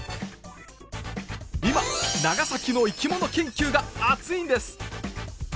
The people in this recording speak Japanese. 今長崎の生き物研究が熱いんです！